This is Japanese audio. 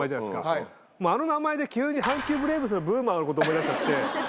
あの名前で急に阪急ブレーブスのブーマーのこと思い出しちゃって。